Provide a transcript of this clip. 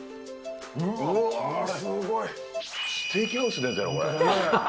うわー、すごい。